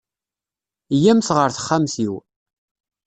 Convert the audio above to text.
Iyyamt ɣer texxamt-iw.